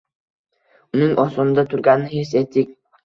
Uning ostonada turganini his etdik.